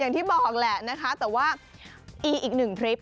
อย่างที่บอกแหละนะคะแต่ว่าอีกหนึ่งคลิป